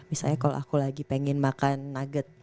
misalnya kalau aku lagi pengen makan nugget